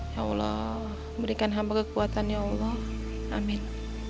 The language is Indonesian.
ya allah berikan hamba kekuatan ya allah amin